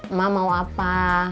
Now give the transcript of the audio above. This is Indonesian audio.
emak mau apa